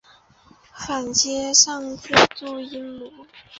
反切上字注声母。